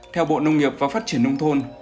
theo bộ nông nghiệp và phát triển nông thôn